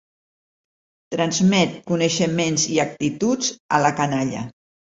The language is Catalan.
Transmet coneixements i actituds a la canalla.